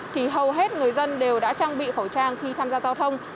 thì hầu hết người dân đều đã trang bị khẩu trang khi tham gia giao thông